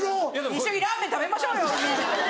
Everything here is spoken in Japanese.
一緒にラーメン食べましょうよ海で。